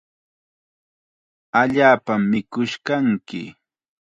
Allaapam mikush kanki.